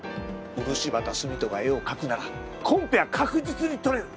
漆畑澄人が絵を描くならコンペは確実に取れる。